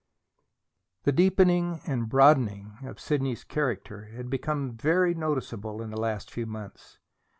The deepening and broadening of Sidney's character had been very noticeable in the last few months.